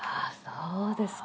そうですか。